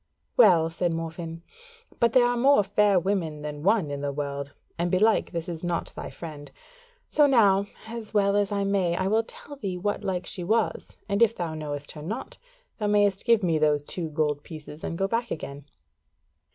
"Well," said Morfinn, "but there are more fair women than one in the world, and belike this is not thy friend: so now, as well as I may, I will tell thee what like she was, and if thou knowest her not, thou mayst give me those two gold pieces and go back again.